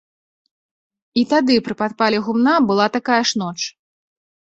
І тады, пры падпале гумна, была такая ж ноч.